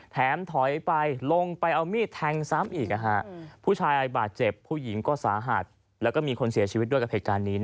ถอยไปลงไปเอามีดแทงซ้ำอีกผู้ชายบาดเจ็บผู้หญิงก็สาหัสแล้วก็มีคนเสียชีวิตด้วยกับเหตุการณ์นี้